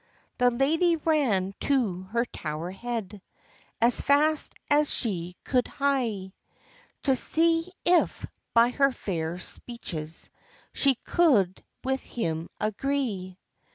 The ladye ran to her tower head, As fast as she cou'd hie, To see if, by her fair speeches, She cou'd with him agree.